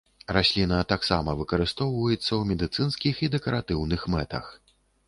Расліна таксама выкарыстоўваецца ў медыцынскіх і дэкаратыўных мэтах.